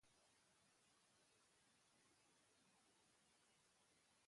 Sugarrak harrapatuta geratu ziren.